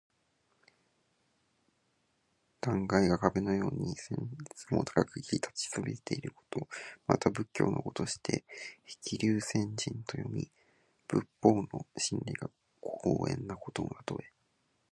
断崖が壁のように千仞も高く切り立ちそびえていること。また仏教の語として「へきりゅうせんじん」と読み、仏法の真理が高遠なことのたとえ。